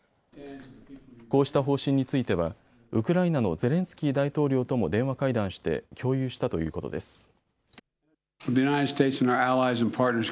こうした方針についてはウクライナのゼレンスキー大統領とも電話会談して共有したということです。